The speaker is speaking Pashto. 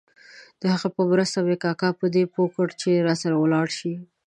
د هغه په مرسته مې کاکا په دې پوه کړ چې راسره ولاړ شي.